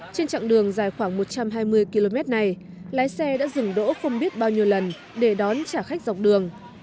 trên chặng đường dài khoảng một trăm hai mươi km này lái xe đã dừng đỗ không biết bao nhiêu lần để đón trả khách dọc đường